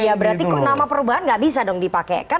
ya berarti kok nama perubahan enggak bisa dong dipakaikan